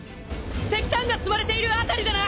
石炭が積まれている辺りだな！